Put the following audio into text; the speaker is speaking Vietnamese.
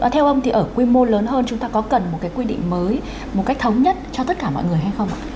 theo ông thì ở quy mô lớn hơn chúng ta có cần một cái quy định mới một cách thống nhất cho tất cả mọi người hay không ạ